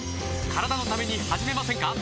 カラダのために始めませんか？